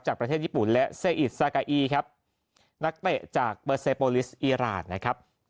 ประเทศญี่ปุ่นและเซอิสซากาอีครับนักเตะจากเบอร์เซโปลิสอีรานนะครับ